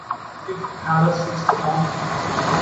It had a sixth form.